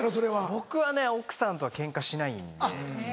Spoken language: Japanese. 僕は奥さんとはケンカしないんで。